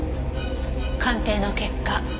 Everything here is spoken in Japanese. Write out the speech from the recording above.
鑑定の結果